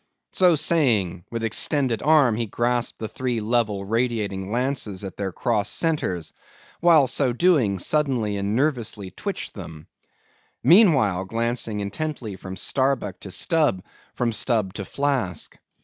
So saying, with extended arm, he grasped the three level, radiating lances at their crossed centre; while so doing, suddenly and nervously twitched them; meanwhile, glancing intently from Starbuck to Stubb; from Stubb to Flask.